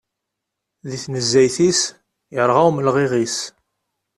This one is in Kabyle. Deg tnezzayt-is, yerɣa umelɣiɣ-is.